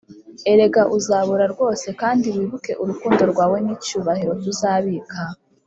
erega uzabura rwose kandi wibuke urukundo rwawe n'icyubahiro tuzabika.